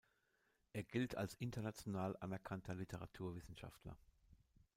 Er gilt als international anerkannter Literaturwissenschaftler.